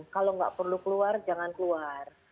kalau nggak perlu keluar jangan keluar